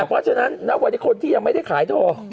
แต่เพราะฉะนั้นนับวันที่คนที่ยังไม่ได้ขายต่อ